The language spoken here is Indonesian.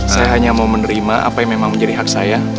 saya hanya mau menerima apa yang memang menjadi hak saya